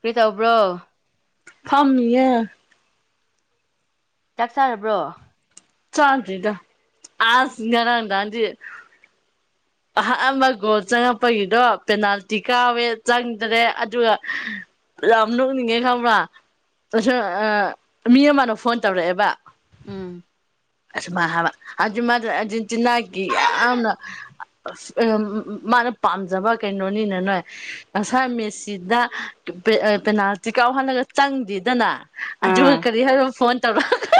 ꯀꯔꯤ ꯇꯧꯕ꯭ꯔꯣ ꯐꯝꯃꯤꯌꯦ ꯆꯥꯛ ꯆꯥꯔꯕ꯭ꯔꯣ ꯆꯥꯗ꯭ꯔꯤꯗ ꯑꯁ ꯉꯔꯥꯡ ꯗꯥꯡꯗꯤ ꯑꯥꯍꯥ ꯑꯃ ꯒꯣꯜ ꯆꯪꯉꯛꯄꯒꯤꯗꯣ ꯄꯦꯅꯥꯜꯇꯤ ꯀꯥꯎꯋꯦ ꯆꯪꯗ꯭ꯔꯦ ꯑꯗꯨꯒ ꯌꯥꯝ ꯅꯣꯛꯅꯤꯡꯉꯦ ꯈꯪꯕ꯭ꯔꯥ ꯇꯁꯑꯥ ꯃꯤ ꯑꯃꯅ ꯐꯣꯟ ꯇꯧꯔꯛꯑꯦꯕ ꯎꯝ ꯑꯁꯨꯃ ꯍꯥꯕ ꯑꯖꯨꯃꯖꯨ ꯑꯦꯔꯖꯦꯟꯇꯤꯅꯥꯒꯤ ꯌꯥꯝꯅ ꯑꯁ ꯑꯣꯏꯑꯝ ꯃꯥꯅ ꯄꯥꯝꯖꯕ ꯀꯩꯅꯣꯅꯤꯅ ꯅꯣꯏ ꯉꯁꯥꯏ ꯃꯦꯁꯤꯗ ꯄꯔꯦ ꯑ ꯄꯦꯅꯥꯜꯇꯤ ꯀꯥꯎꯍꯜꯂꯒ ꯆꯪꯗꯦꯗꯅ ꯑꯗꯨꯒ ꯑꯥ ꯀꯔꯤ ꯍꯥꯏꯕ ꯐꯣꯟ ꯇꯧꯔꯛꯑꯒ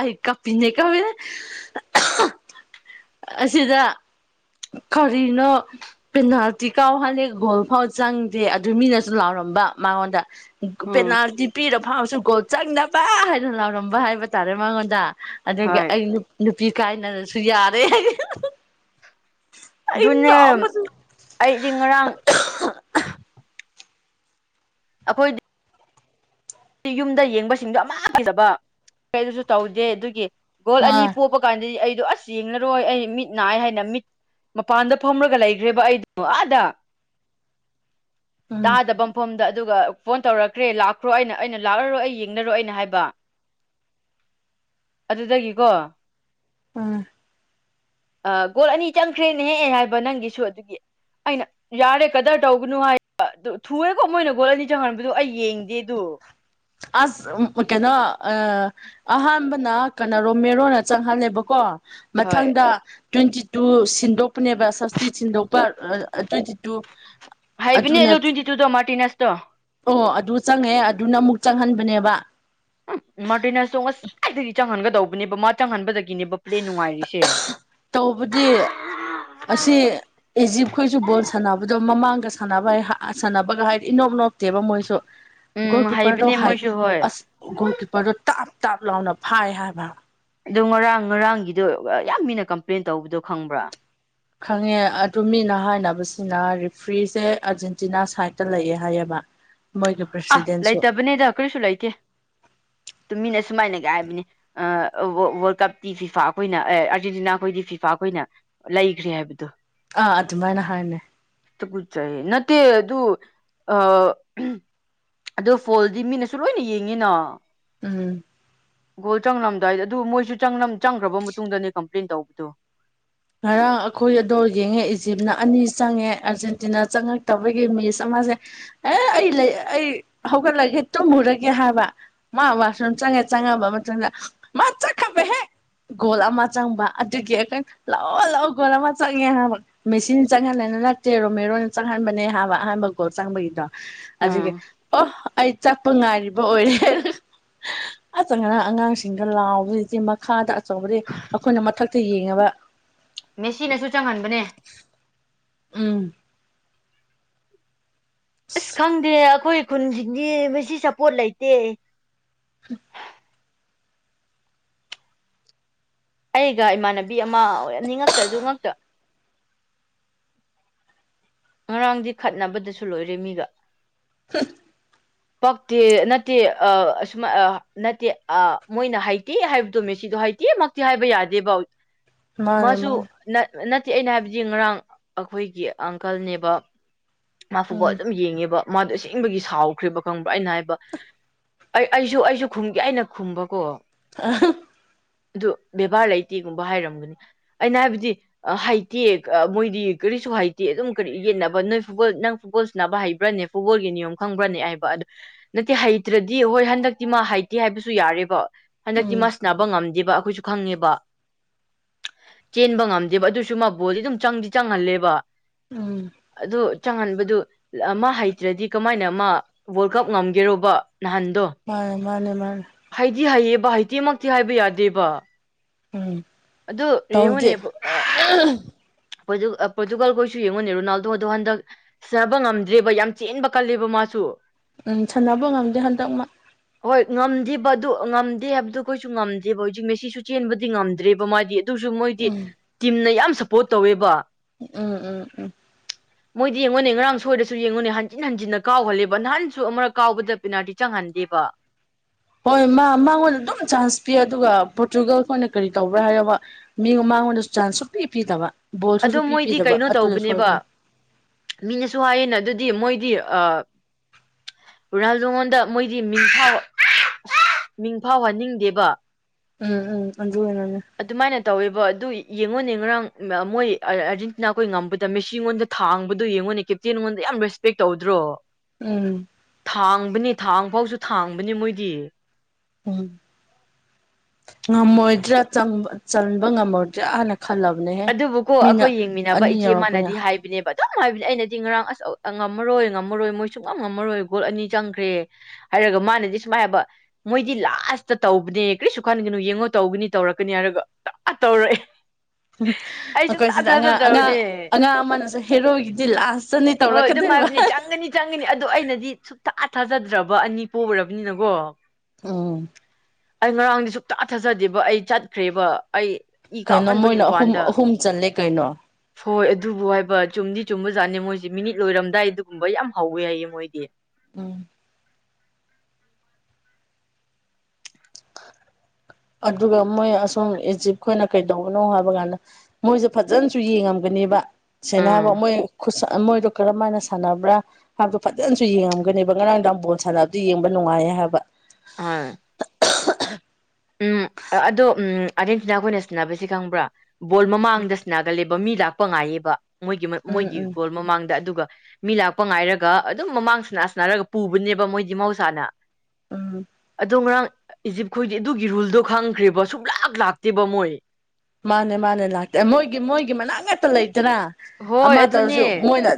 ꯑꯩ ꯀꯥꯞꯄꯤꯅꯦ ꯀꯋꯦ ꯑꯁꯤꯗ ꯀꯔꯤꯅꯣ ꯄꯦꯅꯥꯜꯇꯤ ꯀꯥꯎꯍꯜꯂꯤ ꯒꯣꯜ ꯐꯥꯎ ꯆꯪꯗꯦ ꯑꯗꯨ ꯃꯤꯅꯁꯨ ꯂꯥꯎꯔꯝꯕ ꯃꯉꯣꯟꯗ ꯎꯝ ꯄꯦꯅꯥꯜꯇꯤ ꯄꯤꯔ ꯐꯥꯎꯔꯁꯨ ꯒꯣꯜꯁꯨ ꯆꯟꯗꯕ ꯍꯥꯏꯅ ꯂꯥꯎꯔꯝꯕ ꯍꯥꯏꯕ ꯇꯥꯔꯦ ꯃꯉꯣꯟꯗ ꯑꯗꯨꯒꯤ ꯍꯣꯏ ꯑꯩ ꯅꯨꯞ ꯅꯨꯄꯤ ꯀꯥꯏꯅꯔꯁꯨ ꯌꯥꯔꯦ ꯍꯩ ꯑꯗꯨꯅꯦ ꯑꯩꯗꯤ ꯉꯔꯥꯡ ꯑꯩꯈꯣꯏ ꯌꯨꯝꯗ ꯌꯦꯡꯕꯁꯤꯡꯗꯣ ꯑꯃ ꯐꯗꯕ ꯀꯩꯗꯨꯁꯨ ꯇꯧꯗꯦ ꯑꯗꯨꯒꯤ ꯒꯣꯜ ꯑꯅꯤ ꯑ ꯄꯣꯕ ꯀꯥꯟꯗꯗꯤ ꯑꯩꯗꯣ ꯑꯁ ꯌꯦꯡꯉꯔꯣꯏ ꯑꯩ ꯃꯤꯠ ꯅꯥꯏ ꯍꯥꯏꯅ ꯃꯤꯠ ꯃꯄꯥꯟꯗ ꯐꯝꯔꯒ ꯂꯩꯒ꯭ꯔꯦꯕ ꯑꯩꯗꯣ ꯑꯥꯗ ꯎꯝ ꯇꯥꯗꯕ ꯃꯐꯝꯗ ꯑꯗꯨꯒ ꯐꯣꯟ ꯇꯧꯔꯛꯈ꯭ꯔꯦ ꯂꯥꯛꯈ꯭ꯔꯣ ꯑꯩꯅ ꯑꯩꯅ ꯂꯥꯛꯂꯔꯣꯏ ꯑꯩ ꯌꯦꯡꯂꯔꯣ ꯑꯩꯅ ꯍꯥꯏꯕ ꯑꯗꯨꯗꯒꯤꯀꯣ ꯎꯝ ꯑꯥ ꯒꯣꯜ ꯑꯅꯤ ꯆꯪꯈ꯭ꯔꯦꯅꯦꯍꯦ ꯍꯥꯏꯕ ꯅꯪꯒꯤꯁꯨ ꯑꯗꯨꯒꯤ ꯑꯩꯅ ꯌꯥꯔꯦ ꯀꯗ꯭ꯔ ꯇꯧꯒꯅꯨ ꯍꯥꯏ ꯕ ꯗꯨ ꯊꯨꯑꯦꯀꯣ ꯃꯣꯏꯅ ꯒꯣꯜ ꯑꯅꯤ ꯆꯪꯍꯟꯕꯗꯨ ꯑꯩ ꯌꯦꯡꯗꯦ ꯑꯗꯨ ꯑꯁ ꯎꯝ ꯀꯩꯅꯣ ꯑꯥ ꯑꯍꯥꯟꯕꯅ ꯀꯅ ꯔꯣꯃꯦꯔꯣꯅ ꯆꯪꯍꯜꯂꯦꯕꯀꯣ ꯍꯣꯏ ꯃꯊꯪꯗ ꯇ꯭ꯋꯦꯟꯇꯤ ꯇꯨ ꯁꯤꯟꯗꯣꯛꯄꯅꯦꯕ ꯁꯞꯁꯇꯤ ꯁꯤꯟꯗꯣꯛꯄ ꯑꯥ ꯑꯔ ꯇ꯭ꯋꯦꯟꯇꯤ ꯇꯨ ꯍꯥꯏꯕꯅꯦ ꯑꯗꯨꯅ ꯑꯩꯗꯣ ꯇ꯭ꯋꯤꯟꯇꯤ ꯇꯨꯗꯣ ꯃꯥꯔꯇꯤꯅꯦꯁꯇꯣ ꯗꯨ ꯆꯪꯉꯑꯦ ꯑꯗꯨꯅ ꯑꯃꯨꯛ ꯆꯪꯍꯟꯕꯅꯦꯕ ꯎꯨꯝ ꯃꯥꯔꯇꯤꯅꯦꯁꯇꯨ ꯉꯁꯥꯏꯗꯒꯤ ꯆꯪꯍꯟꯒꯗꯧꯕꯅꯦꯕ ꯃꯥ ꯆꯪꯍꯟꯕꯗꯒꯤꯅꯦꯕ ꯄ꯭ꯂꯦ ꯅꯨꯡꯉꯥꯏꯔꯤꯁꯦ ꯇꯧꯕꯗꯤ ꯑꯁꯤ ꯏꯖꯤꯞꯈꯣꯏꯁꯨ ꯕꯣꯜ ꯁꯥꯟꯅꯕꯗꯣ ꯃꯃꯥꯡ ꯒ ꯁꯥꯟꯅꯕ ꯍꯩ ꯍ ꯁꯥꯟꯅꯕꯒ ꯍꯥꯏꯗꯤ ꯏꯅꯣꯞ ꯅꯣꯞꯇꯦꯕ ꯃꯣꯏꯁꯨ ꯒꯣꯜ ꯎꯝ ꯀꯤꯞꯄꯔꯗꯣ ꯍꯩꯕꯅꯦ ꯍꯥꯏ ꯃꯣꯏꯁꯨ ꯍꯣꯏ ꯑꯁ ꯒꯣꯜ ꯀꯤꯞꯄꯔꯗꯣ ꯇꯥꯞ ꯇꯥꯞ ꯂꯥꯎꯅ ꯐꯥꯏ ꯍꯥꯏꯕ ꯑꯗꯨ ꯉꯔꯥꯡ ꯉꯔꯥꯡꯒꯤꯗꯨ ꯑꯥ ꯌꯥꯝ ꯃꯤꯅ ꯀꯝꯄ꯭ꯂꯦꯟ ꯇꯧꯕꯗꯨ ꯈꯪꯕ꯭ꯔꯥ ꯈꯪꯉꯦ ꯑꯗꯨ ꯃꯤꯅ ꯍꯥꯏꯅꯕꯁꯤꯅ ꯔꯤꯐ꯭ꯔꯤꯁꯦ ꯑꯔꯖꯦꯟꯇꯤꯅꯥ ꯁꯥꯏꯠꯇ ꯂꯩꯌꯦ ꯍꯥꯏꯌꯦꯕ ꯃꯣꯏꯒꯤ ꯑꯥ ꯄ꯭ꯔꯁꯤꯗꯦꯟꯁꯨ ꯂꯩꯇꯕꯅꯦꯗ ꯀꯔꯤꯁꯨ ꯂꯩꯇꯦ ꯇꯨꯃꯤꯟꯅ ꯁꯨꯃꯥꯏꯅꯒ ꯍꯥꯏꯕꯅꯤ ꯑꯥ ꯋ ꯋꯥꯔꯜ ꯀꯞꯇꯤ ꯐꯤꯐꯥ ꯑꯩꯈꯣꯏꯅ ꯑꯦ ꯑꯥꯔꯖꯦꯟꯇꯤꯅꯥꯈꯣꯏꯗꯤ ꯐꯤꯐꯥ ꯈꯣꯏꯅ ꯂꯩꯈ꯭ꯔꯦ ꯍꯥꯏꯕꯗꯨ ꯑꯥ ꯑꯗꯨꯃꯥꯏꯅ ꯍꯥꯏꯅꯩ ꯇꯨꯀꯠꯆꯩ ꯅꯠꯇꯦ ꯑꯗꯨ ꯑꯥ ꯑꯍꯝ ꯑꯗꯨ ꯐꯣꯜꯗꯤ ꯃꯤꯅꯁꯨ ꯂꯣꯏꯅ ꯌꯦꯡꯉꯤꯅꯥ ꯎꯝ ꯒꯣꯜ ꯆꯪꯔꯝꯗꯥꯏꯗ ꯑꯗꯨ ꯃꯣꯏꯁꯨ ꯆꯪꯂꯝ ꯆꯪꯈ꯭ꯔꯕ ꯃꯇꯨꯡꯗꯅꯦ ꯀꯝꯄ꯭ꯂꯦꯟ ꯇꯧꯕꯗꯣ ꯉꯔꯥꯡ ꯑꯩꯈꯣꯏ ꯑꯗꯣ ꯌꯦꯡꯉꯦ ꯏꯖꯤꯞꯅ ꯑꯅꯤ ꯆꯪꯉꯦ ꯑꯥꯔꯖꯦꯟꯇꯤꯅꯥ ꯆꯪꯉꯛꯇꯕꯒꯤ ꯃꯦꯠꯆ ꯑꯃ ꯃꯥꯁꯦ ꯑꯦ ꯑꯩ ꯂꯩ ꯑꯩ ꯍꯧꯒꯠꯂꯒꯦ ꯇꯨꯝꯃꯨꯔꯒꯦ ꯍꯥꯏꯕ ꯃꯥ ꯋꯥꯁꯔꯨꯝ ꯆꯪ ꯆꯪꯉꯕ ꯃꯇꯨꯡꯗ ꯃꯥ ꯆꯠꯈꯕ ꯍꯦꯛ ꯒꯣꯜ ꯑꯃ ꯆꯪꯕ ꯑꯗꯨꯒꯤ ꯑꯩꯈꯣꯏ ꯂꯥꯛꯑꯣ ꯂꯥꯛꯑꯣ ꯒꯣꯜ ꯑꯃ ꯆꯪꯉꯦ ꯍꯥꯏꯕ ꯃꯦꯁꯤꯅ ꯆꯪꯍꯟꯂꯤꯔ ꯅꯠꯇꯦ ꯔꯣꯃꯦꯔꯣꯅ ꯆꯪꯍꯟꯕꯅꯦ ꯍꯥꯏꯕꯥ ꯑꯍꯥꯟꯕ ꯀꯣ ꯆꯪꯕꯒꯤꯗꯣ ꯑꯗꯨꯒꯤ ꯎꯝ ꯑꯣ ꯑꯩ ꯆꯞꯄ ꯉꯥꯏꯔꯤꯕ ꯑꯣꯏꯔꯦ ꯍꯤꯍꯤꯍꯤ ꯑꯗꯨꯅ ꯑꯉꯥꯡꯁꯤꯡꯗꯣ ꯂꯥꯎꯕꯗꯨꯗꯤ ꯃꯈꯥꯗ ꯑꯆꯧꯕꯗꯤ ꯑꯩꯈꯣꯏꯅ ꯃꯊꯛꯇ ꯌꯦꯡꯉꯦꯕ ꯃꯦꯁꯤꯅꯁꯨ ꯆꯪꯍꯟꯕꯅꯦ ꯎꯝ ꯑꯁ ꯈꯪꯗꯦ ꯑꯩꯈꯣꯏ ꯈꯨꯟꯁꯤꯡꯗꯤ ꯃꯁꯤ ꯁꯄꯣꯠ ꯂꯩꯇꯦ ꯍꯨꯡ ꯑꯩꯒ ꯏꯃꯥꯟꯅꯕꯤ ꯑꯃ ꯑꯣꯏꯅꯤꯉꯛꯇ ꯑꯗꯨ ꯉꯛꯇ ꯉꯔꯥꯡꯗꯤ ꯈꯠꯅꯕꯗꯁꯨ ꯂꯣꯏꯔꯦ ꯃꯤꯒ ꯍꯨꯡꯁ ꯄꯛꯇꯦ ꯅꯠꯇꯦ ꯑꯥ ꯑꯁꯨꯃ ꯑꯥ ꯅꯠꯇꯦ ꯑꯥ ꯃꯣꯏꯅ ꯍꯩꯇꯦ ꯍꯥꯏꯕꯗꯣ ꯃꯦꯁꯤ ꯑꯗꯨ ꯍꯩꯇꯦꯃꯛꯇꯤ ꯍꯥꯏꯕ ꯌꯥꯗꯦꯕ ꯃꯥꯅꯦ ꯃꯥꯁꯨ ꯃꯥꯅꯦ ꯅꯠ ꯅꯠꯇꯦ ꯑꯩꯅ ꯍꯥꯏꯕꯗꯤ ꯉꯔꯥꯡ ꯑꯩꯈꯣꯏꯒꯤ ꯑꯪꯀꯜꯅꯦꯕ ꯃꯥ ꯐꯨꯠ ꯕꯣꯜ ꯎꯝ ꯑꯗꯨꯝ ꯌꯦꯡꯉꯦꯕ ꯃꯥꯗꯣ ꯑꯁꯦꯡꯕꯒꯤ ꯁꯥꯎꯈ꯭ꯔꯦꯕ ꯈꯪꯕ꯭ꯔꯥ ꯑꯩꯅ ꯍꯥꯏꯕ ꯑꯩ ꯑꯩꯁꯨ ꯑꯩꯁꯨ ꯈꯨꯝꯒꯦ ꯑꯩꯅ ꯈꯨꯝꯕꯀꯣ ꯑꯥꯍꯥ ꯑꯗꯨ ꯕꯦꯕꯥꯔ ꯂꯩꯇꯦꯒꯨꯝꯕ ꯍꯥꯏꯔꯝꯒꯅꯤ ꯑꯩꯅ ꯍꯥꯏꯕꯗꯤ ꯍꯩꯇꯦ ꯑꯥ ꯃꯣꯏꯗꯤ ꯀꯔꯤꯁꯨ ꯍꯥꯏꯇꯦ ꯑꯗꯨꯝ ꯀꯔꯤ ꯌꯦꯠꯅꯕ ꯅꯣꯏ ꯐꯨꯠꯕꯣꯜ ꯅꯪ ꯐꯨꯠꯕꯣꯜ ꯁꯥꯟꯅꯕ ꯍꯩꯕ꯭ꯔꯅꯦ ꯐꯨꯠꯕꯣꯜꯒꯤ ꯅꯤꯌꯣꯝ ꯈꯪꯕ꯭ꯔꯅꯦ ꯍꯥꯏꯕ ꯑꯗꯨ ꯅꯠꯇꯦ ꯍꯩꯇ꯭ꯔꯗꯤ ꯍꯣꯏ ꯍꯟꯗꯛꯇꯤ ꯃꯥ ꯍꯩꯇꯦ ꯍꯥꯏꯕꯁꯨ ꯌꯥꯔꯦꯕ ꯍꯟꯗꯛꯇꯤ ꯃꯥ ꯎꯝ ꯁꯥꯟꯅꯕ ꯉꯝꯗꯦꯕ ꯑꯩꯈꯣꯏꯁꯨ ꯈꯪꯉꯦꯕ ꯆꯦꯟꯕ ꯉꯝꯗꯦꯕ ꯑꯗꯨꯁꯨ ꯃꯥ ꯕꯣꯜꯗꯤ ꯑꯗꯨꯝ ꯆꯪꯗꯤ ꯆꯪꯍꯜꯂꯦꯕ ꯎꯝ ꯑꯗꯨ ꯆꯪꯍꯟꯕꯗꯨ ꯂ ꯃꯥ ꯍꯩꯇ꯭ꯔꯗꯤ ꯀꯃꯥꯏꯅ ꯃꯥ ꯋꯥꯔꯜ ꯀꯞ ꯉꯝꯒꯦꯔꯣꯕ ꯃꯥꯅꯦ ꯃꯥꯅꯦ ꯃꯥꯅꯦ ꯗꯤ ꯍꯩꯌꯦꯕꯥ ꯍꯩꯇꯦꯃꯛꯇꯤ ꯍꯥꯏꯕ ꯌꯥꯗꯦꯕ ꯎꯝ ꯑꯗꯨ ꯇꯧꯗꯦ ꯔꯦꯉꯨꯅꯦꯕ ꯑ ꯄꯣꯔꯇꯨ ꯑꯥ ꯄꯣꯔꯇꯨꯒꯜꯈꯣꯏꯁꯨ ꯌꯦꯡꯉꯨꯅꯦ ꯔꯣꯅꯥꯜꯗꯣ ꯗꯣ ꯍꯟꯗꯛ ꯁ꯭ꯅꯥꯕ ꯉꯝꯗ꯭ꯔꯦꯕ ꯌꯥꯝ ꯆꯦꯟꯕ ꯀꯜꯂꯦꯕ ꯃꯥꯁꯨ ꯎꯝ ꯁꯥꯟꯅꯕ ꯉꯝꯗꯦ ꯍꯟꯇꯛ ꯃꯥ ꯍꯣꯏ ꯉꯝꯗꯦꯕ ꯑꯗꯨ ꯉꯝꯗꯦ ꯍꯥꯏꯕꯗꯨ ꯑꯈꯣꯏꯁꯨ ꯉꯝꯗꯦꯕ ꯍꯧꯖꯤꯛ ꯃꯦꯁꯤꯁꯨ ꯆꯦꯟꯕꯗꯤ ꯉꯝꯗ꯭ꯔꯦꯕ ꯃꯥꯗꯤ ꯑꯗꯨꯁꯨ ꯃꯣꯏꯗꯤ ꯎꯝ ꯇꯤꯝꯅ ꯌꯥꯝ ꯁꯞꯄꯣꯔꯠ ꯇꯧꯋꯦꯕ ꯎꯝ ꯎꯝ ꯎꯝ ꯃꯣꯏꯗꯤ ꯃꯣꯏꯅ ꯉꯔꯥꯡ ꯁꯣꯏꯔꯁꯨ ꯌꯦꯡꯉꯨꯅꯦ ꯍꯟꯖꯤꯟ ꯍꯟꯖꯤꯟꯅ ꯀꯥꯎꯍꯜꯂꯦꯕ ꯅꯍꯥꯟꯁꯨ ꯑꯃꯔꯛ ꯀꯥꯎꯕꯗ ꯄꯦꯅꯥꯜꯇꯤ ꯆꯪꯍꯜ ꯗꯦꯕ ꯍꯣꯏ ꯃꯥ ꯃꯥꯉꯣꯟꯗ ꯑꯗꯨꯝ ꯆꯥꯟꯁ ꯄꯤ ꯑꯗꯨꯒ ꯄꯣꯔꯇꯨꯒꯜ ꯈꯣꯏꯅ ꯀꯔꯤ ꯇꯧꯕ꯭ꯔꯥ ꯍꯥꯏꯌꯣꯕ ꯃꯤꯉꯣ ꯃꯥ ꯃꯥꯉꯣꯟꯗꯁꯨ ꯆꯥꯟꯁ ꯁꯨꯛꯄꯤ ꯄꯤꯗꯕ ꯕꯣꯜꯁꯨ ꯑꯗꯣ ꯁꯨꯡꯄꯤ ꯃꯣꯏꯗꯤ ꯄꯤꯗꯕ ꯀꯩꯅꯣ ꯑꯗꯨꯅ ꯇꯧꯕꯅꯦꯕ ꯁꯣꯏꯕꯅꯦ ꯃꯤꯅꯁꯨ ꯍꯥꯏꯌꯦꯅ ꯑꯗꯨꯗꯤ ꯃꯣꯏ ꯒꯤ ꯑꯥ ꯔꯥꯜ ꯅꯉꯣꯟꯗ ꯃꯣꯏꯗꯤ ꯃꯤꯡꯐꯥꯎ ꯑꯥ ꯑꯥ ꯃꯤꯡꯐꯥꯎ ꯍꯟꯅꯤꯡꯗꯦꯕ ꯎꯝ ꯎꯝ ꯑꯗꯨꯅꯅꯦ ꯑꯗꯨꯃꯥꯏꯅ ꯇꯧꯋꯦꯕ ꯑꯗꯨ ꯌꯦꯡꯉꯣꯅꯦ ꯉꯔꯥꯡ ꯃ ꯃꯣꯏ ꯑꯔ ꯑꯔꯖꯦꯟꯇꯤꯅꯥꯈꯣꯏ ꯉꯝꯕꯗ ꯃꯦꯁꯤ ꯉꯣꯟꯗ ꯊꯥꯡꯕꯗꯣ ꯌꯦꯡꯉꯣꯅꯦ ꯀꯦꯞꯇꯦꯟ ꯉꯣꯟꯗ ꯌꯥꯝ ꯔꯦꯁꯄꯦꯛ ꯇꯧꯗ꯭ꯔꯣ ꯎꯝ ꯊꯥꯡꯕꯅꯤ ꯊꯥꯡ ꯐꯥꯎꯁꯨ ꯊꯥꯡꯕꯅꯤ ꯃꯣꯏꯗꯤ ꯎꯝ ꯉꯝꯃꯣꯏꯗ꯭ꯔꯥ ꯆꯪꯕ ꯆꯟꯕ ꯉꯝꯃꯣꯏꯗ꯭ꯔꯥꯅ ꯑꯗꯨꯕꯨꯀꯣ ꯑꯈꯣꯏ ꯌꯦꯡꯃꯤꯟꯅꯕ ꯑꯅꯤ ꯏꯆꯦ ꯌꯧꯔꯛꯄꯅꯦ ꯑꯃꯅꯗꯤ ꯍꯥꯏꯕꯅꯦꯕ ꯑꯗꯨꯝ ꯍꯥꯏꯕꯅꯤ ꯑꯩꯅꯗꯤ ꯉꯔꯥꯡ ꯑꯁ ꯉꯝꯃꯔꯣꯏ ꯉꯝꯃꯔꯣꯏ ꯃꯣꯏ ꯁꯨꯡꯉꯝ ꯉꯝꯃꯔꯣꯏ ꯒꯣꯜ ꯑꯅꯤ ꯆꯪꯈ꯭ꯔꯦ ꯍꯥꯏꯔꯒ ꯃꯥꯅꯗꯤ ꯁꯨꯃꯥꯏ ꯍꯥꯏꯕ ꯃꯣꯏꯗꯤ ꯂꯥꯁꯇ ꯇꯧꯕꯅꯦ ꯀ꯭ꯔꯤꯁꯨ ꯈꯟꯒꯅꯨ ꯌꯦꯡꯉꯣ ꯇꯧꯒꯅꯤ ꯇꯧꯔꯛꯀꯅꯤ ꯍꯥꯏꯔꯒ ꯇꯥ ꯇꯧꯔꯛꯑꯦ ꯎꯝ ꯑꯩ ꯑꯈꯣꯏ ꯁꯨꯡꯊꯥ ꯁꯤꯗ ꯑꯉꯥꯡ ꯑꯉꯥꯡ ꯊꯥꯖꯗ꯭ꯔꯕꯅꯦ ꯑꯉꯥꯡ ꯑꯃꯅꯁꯨ ꯍꯦꯔꯣꯒꯤꯗꯤ ꯂꯥꯁꯇꯅꯤ ꯇꯧꯔꯛꯀꯗꯣꯏ ꯍꯥꯏꯕꯂꯦ ꯆꯪꯒꯅꯤ ꯆꯪꯒꯅꯤ ꯑꯗꯣ ꯑꯩꯅꯗꯤ ꯁꯨꯛꯊꯥ ꯊꯥꯖꯗ꯭ꯔꯕ ꯑꯅꯤ ꯄꯣꯒ꯭ꯔꯕꯅꯤꯅꯀꯣ ꯎꯝ ꯑꯩ ꯉꯔꯥꯡꯗꯤ ꯁꯨꯛꯊꯥ ꯊꯥꯖꯗꯦꯕ ꯑꯩ ꯆꯠꯈ꯭ꯔꯦꯕ ꯑꯩ ꯏ ꯀꯩꯅꯣ ꯀꯥꯃꯟꯕꯒꯤ ꯃꯣꯏꯅ ꯑꯍꯨꯝ ꯄꯥꯟꯗ ꯑꯍꯨꯝ ꯆꯜꯂꯦ ꯀꯩꯅꯣ ꯍꯣꯏ ꯑꯗꯨꯕꯨ ꯍꯥꯏꯕ ꯆꯨꯝꯗꯤ ꯆꯨꯝ ꯕꯖꯥꯠꯅꯦ ꯃꯣꯏꯁꯦ ꯃꯤꯅꯤꯠ ꯂꯣꯏꯔꯝꯗꯥꯏ ꯑꯗꯨꯒꯨꯝꯕ ꯌꯥꯝ ꯍꯧꯋꯦ ꯍꯥꯏꯌꯦ ꯃꯣꯏꯗꯤ ꯎꯝ ꯑꯗꯨꯒ ꯃꯣꯏ ꯑꯁꯣꯝ ꯑꯦꯆꯤꯞ ꯈꯣꯏꯅ ꯀꯩꯗꯧꯕꯅꯣ ꯍꯥꯏꯕ ꯀꯥꯟꯗ ꯃꯣꯏꯖꯦ ꯐꯖꯅꯁꯨ ꯌꯦꯡꯉꯝꯒꯅꯤꯕ ꯑꯥ ꯁꯦꯟꯅꯕ ꯃꯣꯏ ꯈꯨꯠꯁꯥ ꯑ ꯃꯣꯏꯗꯣ ꯀꯔꯝꯃꯥꯏꯅ ꯁꯥꯟꯅꯕ꯭ꯔꯥ ꯍꯥꯏꯕꯗꯣ ꯐꯖꯅꯁꯨ ꯌꯦꯡꯉꯝꯒꯅꯤꯕ ꯉꯔꯥꯡꯗꯥꯡ ꯕꯣꯜ ꯁꯥꯟꯅꯕꯗꯨ ꯌꯦꯡꯕ ꯅꯨꯡꯉꯥꯏꯌꯦ ꯌꯦ ꯍꯥꯕ ꯑꯥ ꯎꯝ ꯑꯗꯣ ꯎꯝ ꯑꯥꯔꯖꯦꯟꯇꯤꯅꯥ ꯈꯣꯏꯅ ꯁ꯭ꯅꯥꯕꯁꯤ ꯈꯪꯕ꯭ꯔꯥ ꯕꯣꯜ ꯃꯃꯥꯡꯗ ꯁ꯭ꯅꯥꯒꯜꯂꯦꯕ ꯃꯤ ꯂꯥꯛꯄ ꯉꯥꯏꯌꯦꯕ ꯃꯣꯏꯒꯤ ꯃ ꯎꯝ ꯃꯣꯏꯒꯤ ꯎꯝ ꯒꯣꯜ ꯃꯃꯥꯡꯗ ꯑꯗꯨꯒ ꯃꯤ ꯂꯥꯛꯄ ꯉꯥꯏꯔꯒ ꯑꯗꯨꯝ ꯃꯃꯥꯡ ꯁ꯭ꯅꯥ ꯁ꯭ꯅꯥꯔꯒ ꯄꯨꯕꯅꯦꯕ ꯃꯣꯏꯗꯤ ꯃꯍꯧꯁꯥꯅ ꯎꯝ ꯑꯗꯣ ꯉꯔꯥꯡ ꯏꯖꯤꯞꯈꯣꯏ ꯗꯤ ꯑꯗꯨꯒꯤ ꯔꯨꯜꯗꯣ ꯈꯪꯈ꯭ꯔꯦꯕ ꯁꯨꯛꯂꯥꯛ ꯂꯥꯛꯇꯦꯕ ꯃꯣꯏ ꯃꯥꯅꯦ ꯃꯥꯅꯦ ꯂꯥꯛꯇꯦ ꯃꯣꯏꯒꯤ ꯃꯣꯏꯒꯤ ꯃꯅꯥꯛ ꯉꯛꯇ ꯂꯩ ꯇꯔꯥ ꯍꯣꯏ ꯑꯃ ꯇꯧꯔꯁꯨ ꯑꯗꯨꯅꯦ ꯃꯣꯏꯅ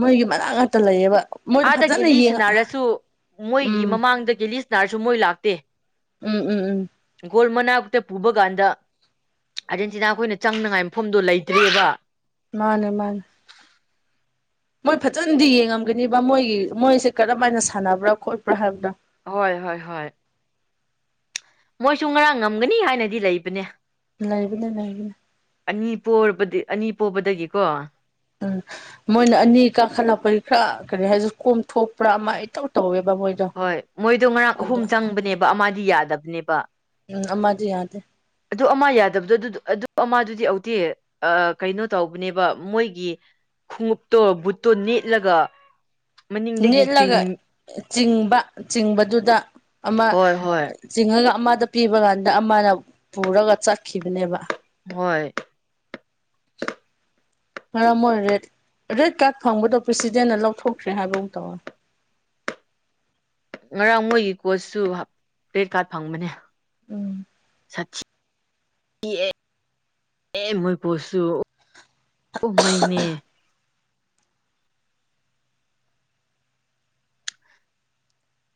ꯃꯣꯏꯒꯤ ꯃꯅꯥꯛ ꯉꯥꯛꯇ ꯂꯩꯌꯦꯕ ꯃꯣꯏꯗꯣ ꯑꯥꯗ ꯐꯖꯅ ꯌꯦꯡꯉ ꯒꯦꯂꯤꯁꯅꯥꯔꯁꯨ ꯃꯣꯏꯒꯤ ꯎꯝ ꯃꯃꯥꯡꯗ ꯒꯦꯂꯤꯁꯅꯥꯔꯁꯨ ꯃꯣꯏ ꯂꯥꯛꯇꯦ ꯎꯝ ꯎꯝ ꯎꯝ ꯒꯣꯜ ꯃꯅꯥꯛꯇ ꯄꯨꯕ ꯀꯥꯟꯗ ꯑꯥꯔꯖꯦꯟꯇꯤꯅꯥ ꯈꯣꯏꯅ ꯆꯪꯅꯉꯥꯏ ꯃꯐꯝꯗꯣ ꯂꯩꯇ꯭ꯔꯦꯕ ꯃꯥꯅꯦ ꯃꯥꯅꯦ ꯃꯣꯏ ꯐꯖꯅꯗꯤ ꯌꯦꯡꯉꯝꯒꯅꯤꯕ ꯃꯣꯏꯒꯤ ꯃꯣꯏꯁꯦ ꯀꯔꯝ ꯍꯥꯏꯅ ꯁꯥꯟꯅꯕ꯭ꯔꯥ ꯈꯣꯠꯄ꯭ꯔꯥ ꯍꯥꯏꯕꯗꯣ ꯍꯣꯏ ꯍꯣꯏ ꯍꯣꯏ ꯃꯣꯏꯁꯨ ꯉꯔꯥꯡ ꯉꯝꯒꯅꯤ ꯍꯥꯏꯅꯗꯤ ꯂꯩꯕꯅꯦ ꯂꯩꯕꯅꯦ ꯂꯩꯕꯅꯦ ꯑꯅꯤ ꯄꯣꯔꯕꯗꯤ ꯑꯅꯤ ꯄꯣꯕꯗꯒꯤꯀꯣ ꯎꯝ ꯃꯣꯏꯅ ꯑꯅꯤ ꯀꯥꯈꯠꯂꯛꯄꯒꯤ ꯈꯔ ꯀꯔꯤ ꯍꯥꯏꯒꯦꯔ ꯀꯣꯝꯊꯣꯛꯄ꯭ꯔꯥ ꯑꯃ ꯏꯇꯧ ꯇꯧꯋꯦꯕ ꯃꯣꯏꯗꯣ ꯍꯣꯏ ꯃꯣꯏꯗꯣ ꯉꯔꯥꯡ ꯑꯍꯨꯝ ꯑꯗꯣ ꯆꯪꯕꯅꯦꯕ ꯑꯃꯗꯤ ꯌꯥꯗꯕꯅꯦꯕ ꯎꯝ ꯑꯃꯗꯤ ꯌꯥꯗꯦ ꯑꯗꯨ ꯑꯃ ꯌꯥꯗꯕꯗꯣ ꯑꯗꯨ ꯑꯗꯨ ꯑꯃꯗꯨ ꯍꯧꯗꯤ ꯍꯧꯎꯗꯤ ꯑꯥ ꯀꯩꯅꯣ ꯇꯧꯕꯅꯦꯕ ꯃꯣꯏꯒꯤ ꯈꯣꯡꯎꯞꯇꯣ ꯕꯨꯠꯇꯣ ꯅꯦꯠꯂꯒ ꯃꯅꯤꯡꯗꯒꯤ ꯅꯦꯠꯂꯒ ꯆꯤꯡ ꯆꯤꯡꯕ ꯆꯤꯡꯕꯗꯨꯗ ꯑꯃ ꯍꯣꯏ ꯍꯣꯏ ꯆꯤꯡꯉꯒ ꯑꯃꯗ ꯄꯤꯕ ꯀꯥꯟꯗ ꯑꯃꯅ ꯄꯨꯔꯒ ꯆꯠꯈꯤꯕꯅꯦꯕ ꯍꯣꯏ [inaudible] ꯑꯃ ꯑꯣꯏ ꯔꯦꯠ [unintelligible] ꯔꯦꯠ ꯀꯥꯔꯠ ꯐꯪꯕꯗꯣ ꯄ꯭ꯔꯦꯁꯤꯗꯦꯟꯅ ꯂꯧꯊꯣꯛꯇ꯭ꯔꯦ ꯍꯥꯏꯕ ꯑꯃ ꯇꯧꯋꯦ ꯉꯔꯥꯡ ꯃꯣꯏꯒꯤ ꯀꯣꯁꯁꯨ ꯔꯦꯠ ꯀꯥꯔꯠ ꯐꯪꯕꯅꯦ ꯎꯝ ꯏꯑꯦ ꯑꯦ ꯃꯣꯏ ꯄꯣꯁꯨ ꯑꯣ ꯃꯩꯏꯅꯦ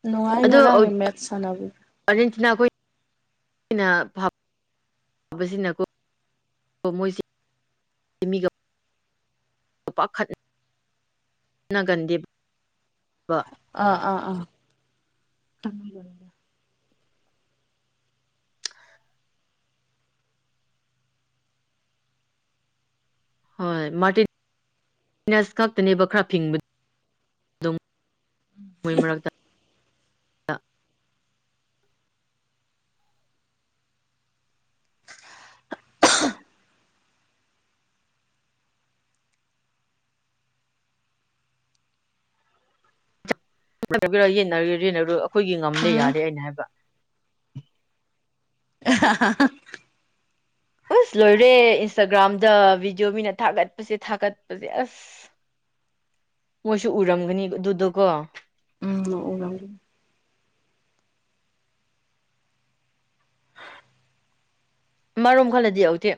ꯅꯨꯡꯉꯥꯏ ꯉꯔꯥꯡꯒꯤ ꯃꯦꯠꯁ ꯁꯥꯟꯅꯕꯗꯣ ꯁꯤꯅ ꯑꯩꯈꯣꯏꯅ ꯁꯥꯕꯁꯤꯅꯀꯣ ꯃꯣꯏꯁꯤ [unintelligible] [unintelligible] ꯑꯥ ꯑꯥ ꯑꯥ [unintelligible] [unintelligible] ꯎꯝ [unintelligible] [unintelligible] ꯑꯁ ꯂꯣꯏꯔꯦ ꯏꯟꯁꯇꯥꯒ꯭ꯔꯥꯝꯗ ꯚꯤꯗꯤꯑꯣ ꯃꯤꯅ ꯊꯥꯒꯠꯄꯁꯦ ꯊꯥꯒꯠꯄꯁꯦ ꯑꯁ ꯃꯣꯏꯁꯨ ꯎꯔꯝꯒꯅꯤ ꯑꯗꯨꯗꯨꯀꯣ ꯎꯝ ꯎꯔꯝꯒ ꯃꯔꯣꯝ ꯈꯜꯂꯗꯤ ꯌꯧꯗꯦ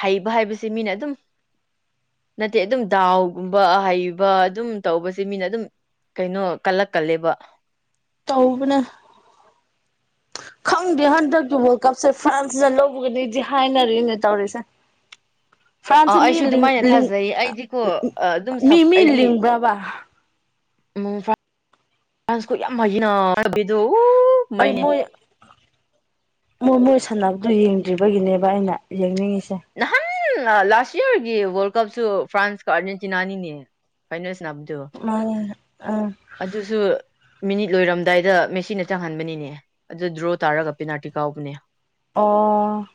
ꯍꯩꯕ ꯍꯥꯏꯕꯁꯦ ꯃꯤꯅ ꯑꯗꯨꯝ ꯅꯠꯇꯦ ꯑꯗꯨꯝ ꯗꯥꯎꯒꯨꯝꯕ ꯑꯍꯩꯕ ꯑꯗꯨꯝ ꯇꯧꯕꯁꯦ ꯃꯤꯅ ꯑꯗꯨꯝ ꯀꯩꯅꯣ ꯀꯜꯂꯛ ꯀꯜꯂꯦꯕ ꯇꯧꯕꯅꯦ [inaudible] ꯈꯪꯗꯦ ꯍꯟꯗꯛꯀꯤ ꯋꯥꯔꯜ ꯀꯞꯁꯦ ꯐ꯭ꯔꯥꯟꯁꯅ ꯂꯧꯕꯒꯅꯤꯗꯤ ꯍꯥꯏꯅꯔꯤꯅꯦ ꯇꯧꯔꯤꯁꯦ ꯑ ꯐ꯭ꯔꯥꯟꯁꯁꯦ ꯃꯤ ꯑꯩꯁꯨ ꯂꯤꯡ ꯑꯗꯨꯃꯥꯏꯅ ꯂꯤꯡ ꯊꯥꯖꯩ ꯑꯩꯗꯤꯀꯣ ꯑꯗꯨꯝ ꯃꯤ ꯁꯞ ꯃꯤ ꯑꯩꯗꯤ ꯂꯤꯡꯕ꯭ꯔꯕ [unintelligible] ꯑꯩ ꯃꯩꯅꯦ ꯃꯣꯏ ꯃꯣꯏ ꯃꯣꯏ ꯁ ꯁꯥꯟꯅꯕꯗꯨ ꯌꯦꯡꯗ꯭ꯔꯤꯕꯒꯤꯅꯦꯕ ꯑꯩꯅ ꯌꯦꯡꯅꯤꯡꯉꯤ ꯅꯍꯥꯟꯅ ꯂꯥꯁ ꯌꯔꯒꯤ ꯋꯥꯔꯜ ꯀꯞꯁꯨ ꯐ꯭ꯔꯥꯟꯁꯀ ꯑꯥꯔꯖꯦꯟꯇꯤꯅꯥꯅꯤꯅꯦ ꯐꯥꯏꯅꯦꯁ ꯁ꯭ꯅꯥꯕꯗꯨ ꯃꯥꯅꯦ ꯑꯥ ꯑꯗꯨꯁꯨ ꯃꯤꯅꯤꯠ ꯂꯣꯏꯔꯝꯗꯥꯏꯗ ꯃꯦꯁꯤꯅ ꯆꯪꯍꯟꯕꯅꯤꯅꯦ ꯑꯗꯨ ꯗ꯭ꯔꯣ ꯇꯥꯔꯒ ꯄꯦꯅꯥꯔꯇꯤ ꯀꯥꯎꯕꯅꯦ ꯑꯣ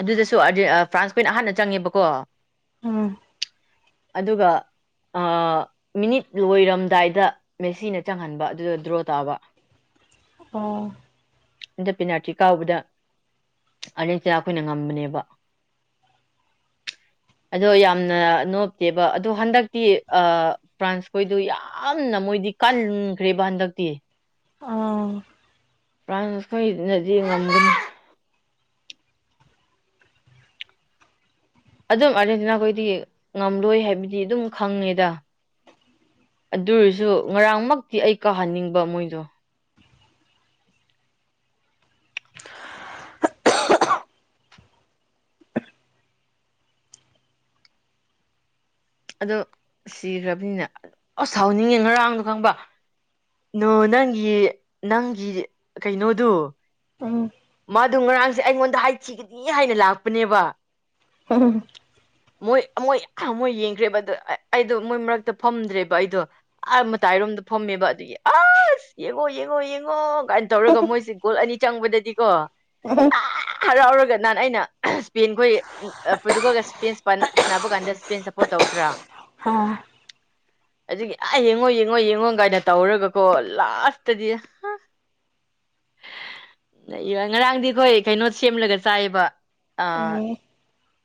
ꯑꯗꯨꯗꯁꯨ ꯑꯥꯔꯖꯦ ꯑꯥ ꯐ꯭ꯔꯥꯟꯁ ꯈꯣꯏꯅ ꯑꯍꯥꯟꯅ ꯆꯪꯉꯦꯕꯀꯣ ꯎꯝ ꯑꯗꯨꯒ ꯑ ꯃꯤꯅꯤꯠ ꯂꯣꯏꯔꯝꯗꯥꯏꯗ ꯃꯦꯁꯤꯅ ꯆꯪꯍꯟꯕ ꯑꯗꯨꯗ ꯗ꯭ꯔꯣ ꯇꯥꯕ [inaudible] ꯑꯣ ꯑꯗ ꯄꯤꯅꯥꯜꯇꯤ ꯀꯥꯎꯕꯗ ꯑꯅꯤ ꯆꯞ ꯈꯣꯏꯅ ꯉꯝꯕꯅꯦꯕ ꯑꯗꯣ ꯌꯥꯝꯅ ꯅꯣꯞꯇꯦꯕ ꯑꯗꯣ ꯍꯟꯗꯛꯇꯤ ꯑꯥ ꯐ꯭ꯔꯥꯟꯁ ꯈꯣꯏꯗꯨ ꯌꯥꯝꯅ ꯃꯣꯏꯗꯤ ꯀꯟꯈ꯭ꯔꯦꯕ ꯍꯟꯗꯛꯇꯤ ꯑꯣ ꯐ꯭ꯔꯥꯟꯁ ꯈꯣꯏꯅꯗꯤ ꯉꯝꯒꯅꯤ ꯑꯗꯨꯝ ꯑꯥꯔꯖꯦꯟꯇꯤꯅꯥ ꯈꯣꯏꯗꯤ ꯉꯝꯂꯣꯏ ꯍꯥꯏꯕꯗꯤ ꯑꯗꯨꯝ ꯈꯪꯉꯦꯗ ꯑꯗꯨꯑꯣꯢꯔꯁꯨ ꯉꯔꯥꯡꯃꯛꯇꯤ ꯑꯩ ꯀꯥꯍꯟꯅꯤꯡꯕ ꯃꯣꯏꯗꯣ ꯑꯗꯨ ꯁꯤꯈ꯭ꯔꯕꯅꯤꯅ ꯑꯁ ꯁꯥꯎꯅꯤꯡꯉꯦ ꯉꯔꯥꯡꯗꯣ ꯈꯪꯕ ꯅꯣ ꯅꯪꯒꯤ ꯅꯪꯒꯤ ꯀꯩꯅꯣꯗꯨ ꯎꯝ ꯃꯥꯗꯨ ꯉꯔꯥꯡꯁꯦ ꯑꯩꯉꯣꯟꯗ ꯍꯥꯏꯊꯤꯒꯅꯤ ꯍꯥꯏꯅ ꯂꯥꯛꯄꯅꯦꯕ [unintelligible] ꯃꯣꯏ ꯑꯃꯣꯏ ꯑꯍ ꯃꯣꯏ ꯌꯦꯡ ꯈ꯭ꯔꯦꯕ ꯑꯗꯨ ꯑꯩꯗꯣ ꯃꯣꯏ ꯃꯔꯛꯇ ꯐꯝꯗ꯭ꯔꯦꯕ ꯑꯩꯗꯣ ꯑꯥ ꯃꯇꯥꯏꯔꯣꯝꯗ ꯐꯝꯃꯦꯕ ꯑꯗꯨꯒꯤ ꯑꯥ ꯁ ꯌꯦꯡꯉꯣ ꯌꯦꯡꯉꯣ ꯌꯦꯡꯉꯣ ꯒꯥꯏꯟ ꯇꯧꯔꯒ ꯃꯣꯏꯁꯤ ꯒꯣꯜ ꯑꯅꯤ ꯆꯪꯕꯗꯗꯤꯀꯣ [unintelligible] ꯍꯔꯥꯎꯔꯒ ꯅꯍꯥꯟ ꯑꯩꯅ ꯁ꯭ꯄꯦꯟ ꯈꯣꯏꯒꯤ ꯎꯝ ꯑ ꯄ꯭ꯔꯣꯇꯨꯒꯜꯅ ꯁ꯭ꯄꯦꯁ ꯄꯟ ꯁ꯭ꯅꯥꯕ ꯀꯥꯟꯗ ꯁ꯭ꯄꯦꯟ ꯁ ꯄꯣꯔꯠ ꯇꯧꯗ꯭ꯔꯥ ꯍꯥ ꯑꯗꯨꯒꯤ ꯑꯥ ꯌꯦꯡꯉꯣ ꯌꯦꯡꯉꯣ ꯌꯦꯡꯉꯣ ꯒꯥꯏꯅ ꯇꯧꯔꯒꯀꯣ ꯂꯥꯁꯇꯗꯤ ꯍꯥ ꯅꯩꯕ ꯉꯔꯥꯡꯗꯤ ꯑꯈꯣꯏ ꯀꯩꯅꯣ ꯁꯦꯝꯂꯒ ꯆꯥꯏꯌꯦꯕ ꯑꯥ ꯎꯝ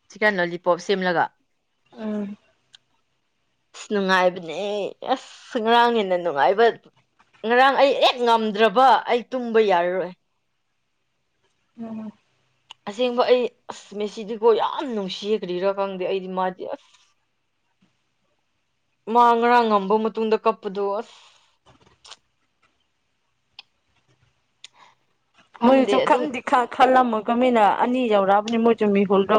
ꯆꯤꯛꯀꯟ ꯂꯣꯂꯤꯄꯣꯞ ꯁꯦꯝꯂꯒ ꯎꯝ ꯁ ꯅꯨꯡꯉꯥꯏꯕꯅꯦ ꯑꯁ ꯉꯔꯥꯡ ꯍꯦꯟꯅ ꯅꯨꯡꯉꯥꯏꯕ ꯉꯔꯥꯡ ꯑꯩ ꯍꯦꯛ ꯉꯝꯗ꯭ꯔꯕ ꯑꯩ ꯇꯨꯝꯕ ꯌꯥꯔꯔꯣꯏ ꯎꯝ ꯑꯁꯦꯡꯕ ꯑꯩ ꯑꯁ ꯃꯦꯁꯤꯗꯤꯀꯣ ꯌꯥꯝ ꯅꯨꯡꯁꯤꯌꯦ ꯀꯔꯤꯔꯥ ꯈꯪꯗꯦ ꯑꯩꯗꯤ ꯃꯥꯗꯤ ꯑꯁ [inaudible] ꯃꯥ ꯉꯔꯥꯡ ꯉꯝꯕ ꯃꯇꯨꯡꯗ ꯀꯞꯄꯗꯣ ꯑꯁ ꯃꯣꯏꯖꯨ ꯈꯪꯗꯦ ꯑꯗꯨꯝ ꯁꯨꯛꯈꯟꯗꯤ ꯈꯥꯡ ꯈ ꯈꯜꯂꯝꯃꯒ ꯃꯤꯅ ꯑꯅꯤ ꯌꯧꯔꯛꯑꯕꯅꯦ ꯃꯣꯢꯖꯨ ꯃꯤꯍꯨꯜꯗꯣ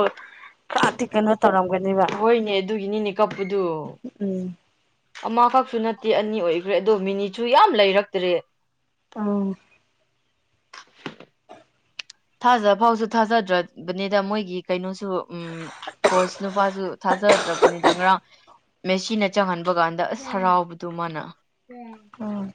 ꯈꯔꯥꯗꯤ ꯀꯩꯅꯣ ꯇꯧꯔꯝꯒꯅꯤꯕ ꯍꯣꯏꯅꯦ ꯑꯗꯨꯒꯤꯅꯤꯅꯦ ꯀꯞꯄꯗꯨ ꯎꯝ ꯑꯃꯈꯛ ꯁꯨ ꯅꯠꯇꯦ ꯑꯅꯤ ꯑꯣꯏꯈ꯭ꯔꯦ ꯑꯗꯣ ꯃꯤꯅꯤꯠꯁꯨ ꯌꯥꯝ ꯂꯩꯔꯛꯇ꯭ꯔꯦ ꯎꯝ ꯊꯥꯖ ꯐꯥꯎꯁꯨ ꯊꯥꯖꯗ꯭ꯔꯕꯅꯦꯗ ꯃꯣꯏꯒꯤ ꯀꯩꯅꯣꯁ ꯁꯨ ꯎꯝ ꯍꯣꯁ ꯅꯨꯄꯥꯁꯨ ꯊꯥꯖ ꯗ꯭ꯔꯕꯅꯤꯗ ꯉꯔꯥꯡ ꯃꯦꯁꯤꯅ ꯆꯪꯍꯟꯕ ꯀꯥꯟꯗ ꯑꯁ ꯍꯔꯥꯎꯕꯗꯨ ꯃꯥꯅ ꯎꯝ